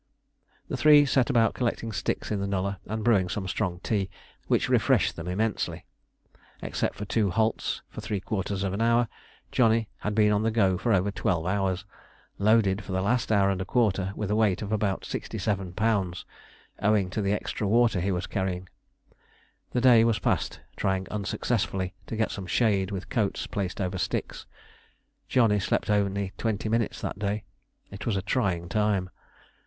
The three set about collecting sticks in the nullah and brewing some strong tea, which refreshed them immensely. Except for two halts for three quarters of an hour, Johnny had been on the go for over twelve hours, loaded for the last hour and a quarter with a weight of about 67 lb., owing to the extra water he was carrying. The day was passed trying unsuccessfully to get some shade with coats placed over sticks. Johnny slept only twenty minutes that day, it was a trying time.